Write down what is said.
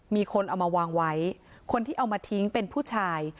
มีคนเอามาวางไว้คนที่เอามาทิ้งเป็นผู้ชาย